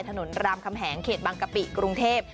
รามคำแหงเขตบางกะปิกรุงเทพ